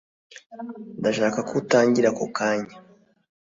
Ndashaka ko utangira ako kanya